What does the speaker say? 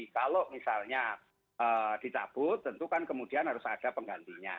kalau misalnya dicabut tentu kan kemudian harus ada penggantinya